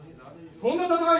そんな戦い